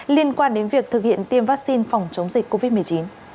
liên quan đến việc thực hiện tiêm vaccine phòng chống dịch covid một mươi chín